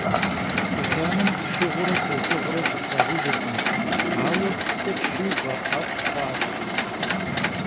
Stekanım şşığure foşşığure şıplhağujjırkhım, aue psır şşıuğe, 'ef' xhuaş.